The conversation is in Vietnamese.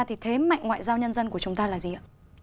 thì thế mạnh ngoại giao nhân dân của chúng ta là gì ạ